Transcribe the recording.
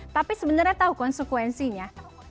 tapi sebenarnya tahu konsekuensinya